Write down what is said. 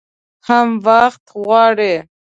هم وخت غواړي .